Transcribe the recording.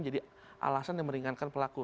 jadi alasan yang meringankan pelaku